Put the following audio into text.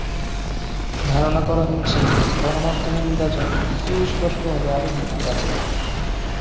ধারণা করা হচ্ছে যে, গণমাধ্যমের বিভাজন সুস্পষ্টভাবে আরও বৃদ্ধি পাবে।